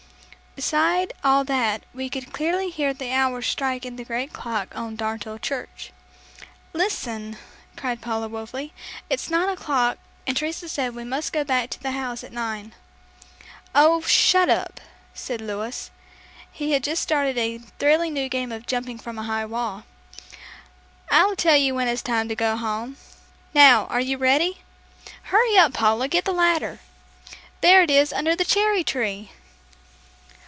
Beside all that, we could clearly hear the hour strike in the great clock on Darnetal Church. "Listen," cried Paula, woefully, "it's nine o'clock, and Teresa said we must go back to the house at nine." "Oh, shut up," said Louis. (He had just started a thrilling new game of jumping from a high wall.) "I'll tell you when it's time to go home. Now are you ready? Hurry up, Paula, get the ladder. There it is, under the cherry tree!"